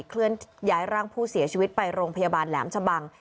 เคลื่อนย้ายร่างผู้เสียชีวิตไปโรงพยาบาลแหลมชะบัง